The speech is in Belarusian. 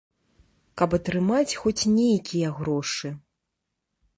Каб атрымаць хоць нейкія грошы.